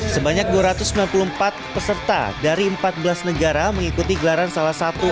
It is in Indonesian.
sebanyak dua ratus sembilan puluh empat peserta dari empat belas negara mengikuti gelaran salah satu